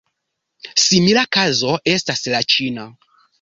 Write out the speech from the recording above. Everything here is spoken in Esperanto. Simila kazo estas la ĉina.